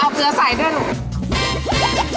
เอาเกลือใส่ด้วยหนู